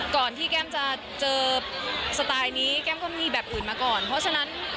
ก่อนที่แก้มจะเจอสไตล์นี้แก้มก็มีแบบอื่นมาก่อนเพราะฉะนั้น